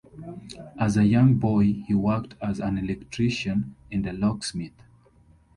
As a young boy, he worked as an electrician and a locksmith.